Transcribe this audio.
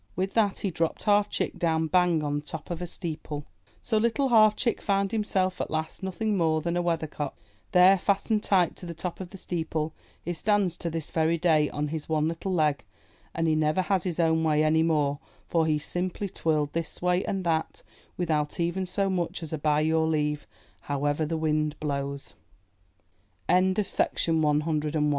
With that he dropped Half Chick down bang on the top of a steeple. So Little Half Chick found himself at last nothing more than a weather cock. There, fastened tight to the top of the steeple, he stands to this very day on his one little leg, and he never has his own way any more for he's simply twirled this way and that without even so much as a